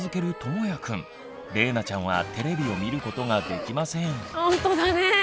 れいなちゃんはテレビを見ることができません。